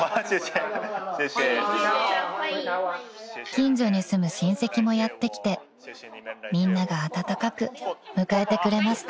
［近所に住む親戚もやって来てみんなが温かく迎えてくれました］